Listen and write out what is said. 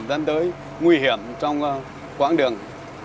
đến tới nguy hiểm trong quãng đường